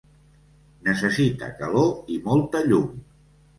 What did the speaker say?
Necessita calor i molta llum.